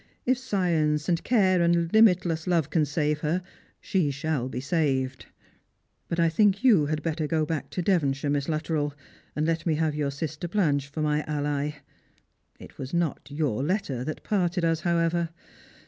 If science and care and limitless love can save her, she shall be saved. But I think you had better go back to Devon shire, Miss Luttrell, and let me have your sister Blanche for my ally. It was not your letter that parted us, however.